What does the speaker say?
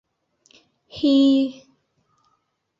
— Һи-и!